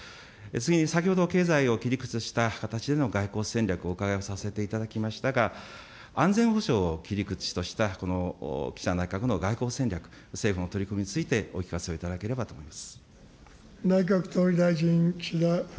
次に先ほど、経済を切り口とした形での外交戦略をお伺いをさせていただきましたが、安全保障を切り口とした、岸田内閣の外交戦略、政府の取り組みについてお聞かせをいただければと思います。